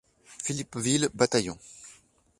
Philippeville, Bataillon.